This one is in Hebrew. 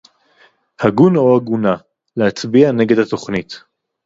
הגון או הגונה, להצביע נגד התוכנית